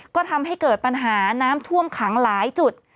ก็ทำให้เกิดปัญหาน้ำท่วมขังหลายจุด